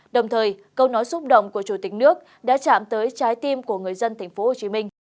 đồng thời câu nói xúc động của chủ tịch nước đã chạm tới trái tim của người dân tp hcm